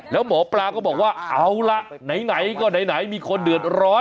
แล้วหมอปลาก็บอกว่าเอาล่ะไหนก็ไหนมีคนเดือดร้อน